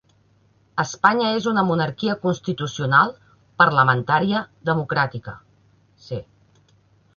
Espanya és una monarquia constitucional parlamentària democràtica.